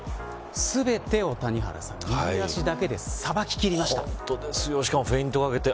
谷原さん、全てを右足だけでさばききりました。